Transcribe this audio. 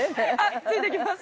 ◆ついていきます。